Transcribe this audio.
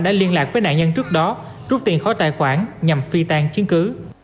và đã liên lạc với nạn nhân trước đó rút tiền khóa tài khoản nhằm phi tàn chiến cứ